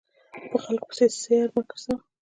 په خلکو پسې سر مه ګرځوه !